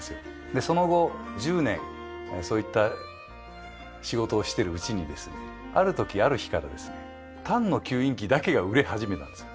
でその後１０年そういった仕事をしてるうちにですねある時ある日からですねたんの吸引器だけが売れ始めたんです。